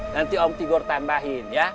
nanti om tigor tambahin ya